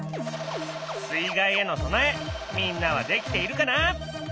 水害への備えみんなはできているかな？